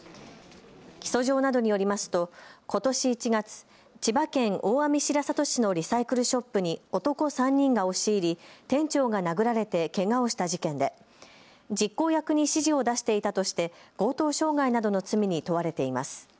起訴状などによりますとことし１月、千葉県大網白里市のリサイクルショップに男３人が押し入り店長が殴られてけがをした事件で実行役に指示を出していたとして強盗傷害などの罪に問われています。